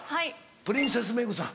プリンセス・メグさん。